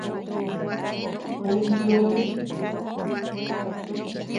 Ún yunu.